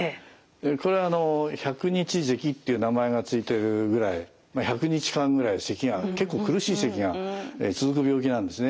これは百日ぜきっていう名前が付いてるぐらい百日間ぐらいせきが結構苦しいせきが続く病気なんですね。